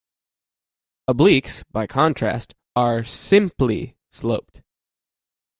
Obliques by contrast are "simply" sloped.